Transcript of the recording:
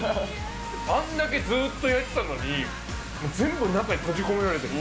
あんだけずっと焼いてたのに、全部中に閉じ込められてる。